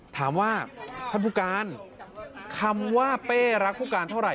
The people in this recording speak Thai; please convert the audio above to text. ถามว่าท่านผู้การคำว่าเป้รักผู้การเท่าไห